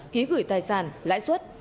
ký gửi tài sản lãi suất